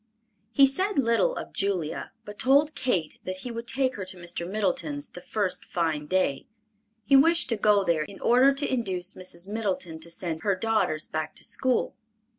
He said little of Julia; but told Kate that he would take her to Mr. Middleton's the first fine day. He wished to go there in order to induce Mrs. Middleton to send her daughters back to school.